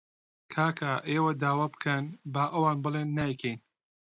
کاکە ئێوە داوا بکەن، با ئەوان بڵێن نایکەین